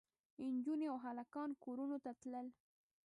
نجونې او هلکان کورونو ته تلل.